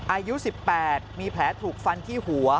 อายุ๑๘มีแผลถูกฟันที่หัว